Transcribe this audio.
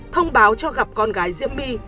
thông báo cho gặp con gái diễm my